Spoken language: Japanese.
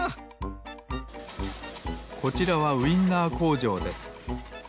こちらはウインナーこうじょうです。